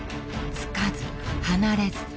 つかず離れず。